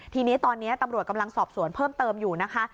ทีนี้ตอนนี้ตำรวจกำลังสอบสวนเพิ่มเติมอยู่นะคะ